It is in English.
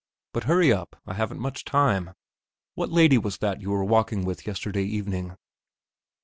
"But hurry up, I haven't much time.... What lady was that you were walking with yesterday evening?"